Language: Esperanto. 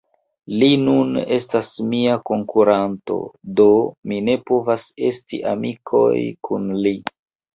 Li nun estas mia konkuranto... do mi ne povas esti amikoj kun li